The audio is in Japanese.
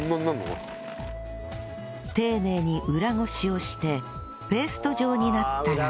丁寧に裏漉しをしてペースト状になったら